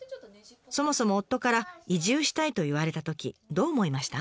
そもそも夫から移住したいと言われたときどう思いました？